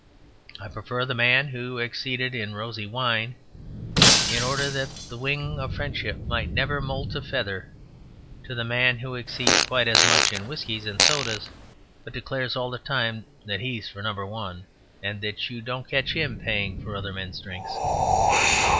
I prefer the man who exceeded in rosy wine in order that the wing of friendship might never moult a feather to the man who exceeds quite as much in whiskies and sodas, but declares all the time that he's for number one, and that you don't catch him paying for other men's drinks.